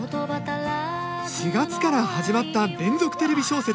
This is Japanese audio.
４月から始まった連続テレビ小説